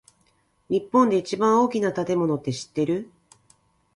日本で一番大きな建物って知ってる？